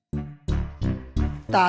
tadi di pasar